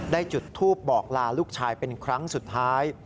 จุดทูปบอกลาลูกชายเป็นครั้งสุดท้าย